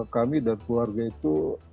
kami dan keluarga itu